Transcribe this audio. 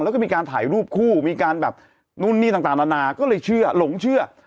แล้วก็มีการถ่ายรูปคู่มีการแบบนู่นนี่ต่างนานาก็เลยเชื่อหลงเชื่อ